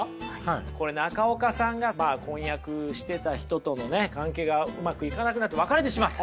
これ中岡さんが婚約してた人との関係がうまくいかなくなって別れてしまった。